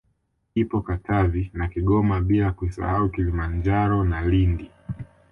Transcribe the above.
Ipo Katavi na Kigoma bila kuisahau Kilimanjaro na Lindi